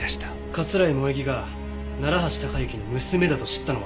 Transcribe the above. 桂井萌衣が楢橋高行の娘だと知ったのは？